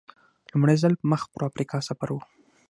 لومړی ځل مخ پر افریقا سفر و.